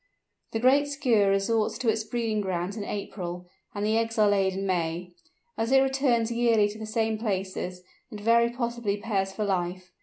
The Great Skua resorts to its breeding grounds in April, and the eggs are laid in May. As it returns yearly to the same places, it very possibly pairs for life.